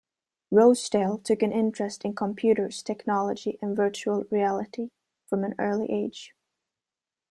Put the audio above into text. Rosedale took an interest in computers, technology, and virtual reality from an early age.